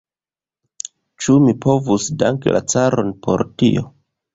Ĉu mi povus danki la caron por tio?